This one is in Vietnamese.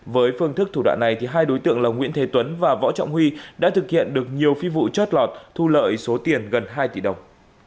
với phương thức thủ đoạn này hai đối tượng là nguyễn thế tuấn và võ trọng huy đã thực hiện được nhiều phi vụ chót lọt thu lợi số tiền gần hai tỷ đồng